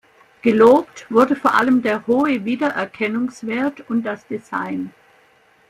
Gelobt wurde vor allem der hohe Wiedererkennungswert und das Design.